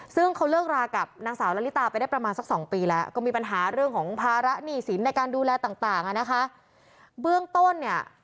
แต่อย่างที่บอกว่านอกจากอดีตพระยาแล้วเนี่ย